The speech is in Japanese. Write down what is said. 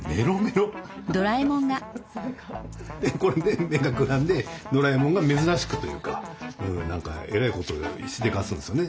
でこれで目がくらんでドラえもんが珍しくというかえらいことしでかすんですよね。